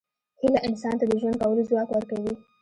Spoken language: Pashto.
هیله انسان ته د ژوند کولو ځواک ورکوي.